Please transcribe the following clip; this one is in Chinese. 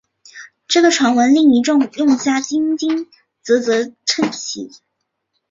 这个传闻令一众用家啧啧称奇！